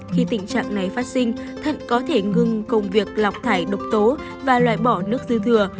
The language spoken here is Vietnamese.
khi tình trạng này phát sinh thận có thể ngừng công việc lọc thải độc tố và loại bỏ nước dư thừa